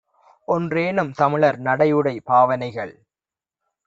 ஒன்றேனும் தமிழர்நடை யுடைபாவ னைகள்